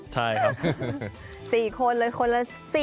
ใช่ครับ